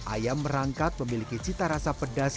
ayam merangkat memiliki cita rasa pedas